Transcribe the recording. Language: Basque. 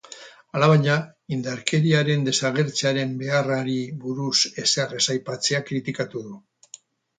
Alabaina, indarkeriaren desagertzearen beharrari buruz ezer ez aipatzea kritikatu du.